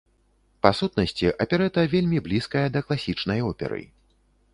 Па сутнасці, аперэта вельмі блізкая да класічнай оперы.